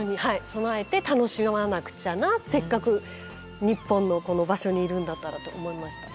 備えて楽しまなくちゃなせっかく日本のこの場所にいるんだったらと思いました。